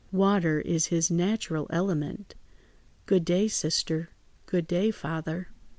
Water is his natural element. Good day, sister; good day, father."